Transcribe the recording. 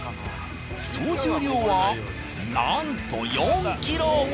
総重量はなんと４ｋｇ！